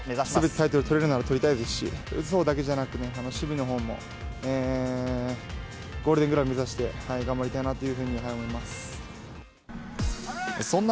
すべてのタイトルを取れるならとりたいですし、打つほうだけじゃなくてね、守備のほうもゴールデングラブ目指して頑張りたいなというふうに思います。